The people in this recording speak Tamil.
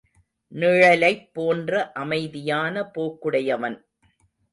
நிழலைப் போன்ற அமைதியான போக்குடையவன்.